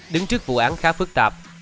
đứng trước vụ án khá phức tạp